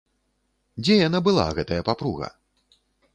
Дзе яна была, гэтая папруга?